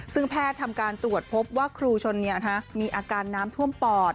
ซึ่งแพทย์ทำการตรวจพบว่าครูชนมีอาการน้ำท่วมปอด